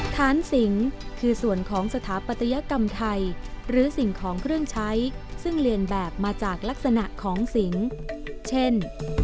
ฐานสิงคือส่วนของสถาปัตยกรรมไทยหรือสิ่งของเครื่องใช้ซึ่งเรียนแบบมาจากลักษณะของสิงเช่น